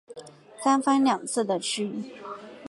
三番两次的去